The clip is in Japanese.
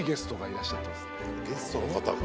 ゲストの方が？